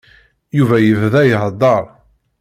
Yuba yebda iheddeṛ.